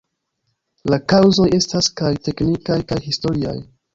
La kaŭzoj estas kaj teknikaj kaj historiaj.